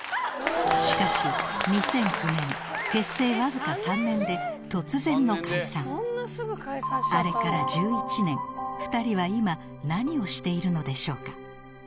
しかし２００９年結成わずか３年で突然の解散２人は今何をしているのでしょうか？